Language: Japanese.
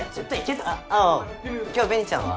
青今日紅ちゃんは？